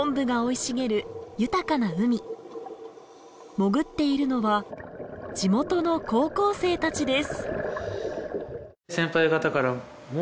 潜っているのは地元の高校生たちです。